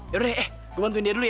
yaudah deh eh gua bantuin dia dulu ya